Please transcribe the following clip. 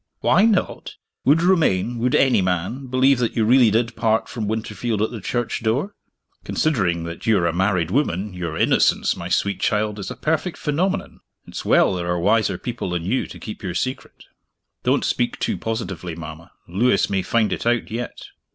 "Why not! Would Romayne would any man believe that you really did part from Winterfield at the church door? Considering that you are a married woman, your innocence, my sweet child, is a perfect phenomenon! It's well there were wiser people than you to keep your secret." "Don't speak too positively, mama. Lewis may find it out yet."